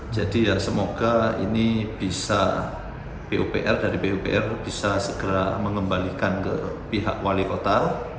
jadi ya semoga ini bisa pupr dari pupr bisa segera mengembalikan ke pihak wali kota